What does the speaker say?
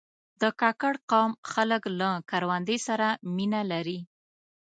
د کاکړ قوم خلک له کروندې سره مینه لري.